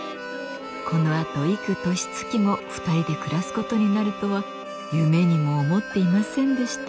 このあと幾年月も２人で暮らすことになるとは夢にも思っていませんでした